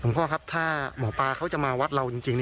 พ่อครับถ้าหมอปลาเขาจะมาวัดเราจริง